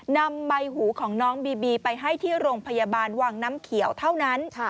นำใบหูของน้องบีบีไปให้ที่โรงพยาบาลวังน้ำเขียวเท่านั้น